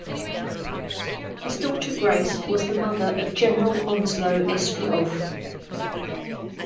His daughter Grace was the mother of General Onslow S. Rolfe.